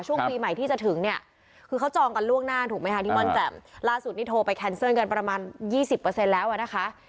ช่วงปีใหม่ที่จะถึงเนี่ยคือเขาจองกันล่วงหน้าถูกไหมคะที่ม่อนแจ่มล่าสุดนี่โทรไปแคนเซิลกันประมาณยี่สิบเปอร์เซ็นต์แล้วอ่ะนะคะ